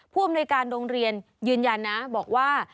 ผู้อำนวยการโรงเรียนยืนยันนะบอกว่า